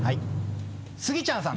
スギちゃんさん。